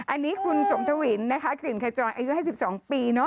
อันนี้คุณสมธวินนะคะสินไขจรออยู่๒๒ปี